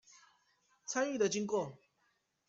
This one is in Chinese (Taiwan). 參與的經過